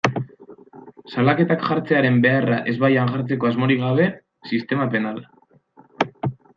Salaketak jartzearen beharra ezbaian jartzeko asmorik gabe, sistema penala.